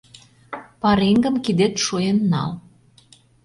Пареҥгым кидет шуен нал.